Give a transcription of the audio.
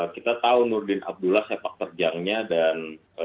kita tahu nurdin abdullah sepak terjangnya dan